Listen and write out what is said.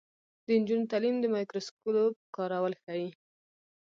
د نجونو تعلیم د مایکروسکوپ کارول ښيي.